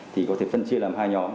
thì có thể phân chia làm hai nhóm